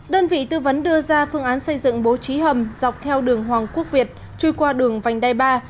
đơn vị tư vấn đưa ra phương án xây dựng bố trí hầm dọc theo đường hoàng quốc việt trôi qua đường vành đai ba